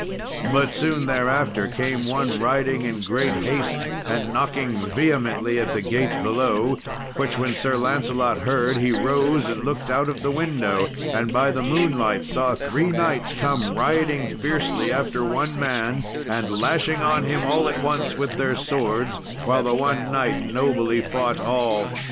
But soon thereafter came one riding in great haste, and knocking vehemently at the gate below, which when Sir Lancelot heard, he rose and looked out of the window, and, by the moonlight, saw three knights come riding fiercely after one man, and lashing on him all at once with their swords, while the one knight nobly fought all.